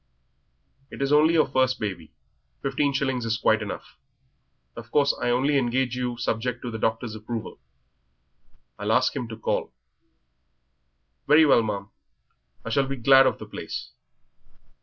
"It is only your first baby. Fifteen shillings is quite enough. Of course I only engage you subject to the doctor's approval. I'll ask him to call." "Very well, ma'am; I shall be glad of the place."